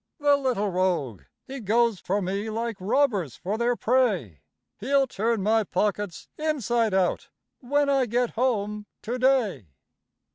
The little rogue! he goes for me, like robbers for their prey; He'll turn my pockets inside out, when I get home to day.